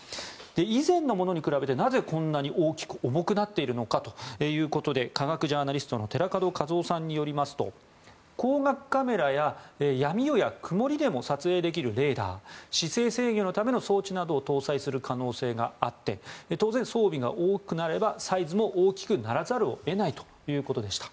以前のものに比べてなぜこんなに大きく重くなっているのかということで科学ジャーナリストの寺門和夫さんによりますと光学カメラや、闇夜や曇りでも撮影できるレーダー姿勢制御のための装置などを搭載する可能性があって当然、装備が大きくなればサイズも大きくならざるを得ないということでした。